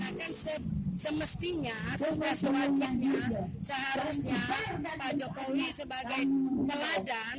akan semestinya sudah sewajarnya seharusnya pak jokowi sebagai teladan